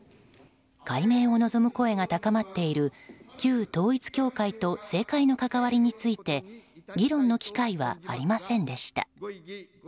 改名を望む声が高まっている旧統一教会と政界の関わりについて議論の機会はありませんでした。